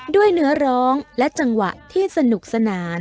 ด้วยเนื้อร้องและจังหวะที่สนุกสนาน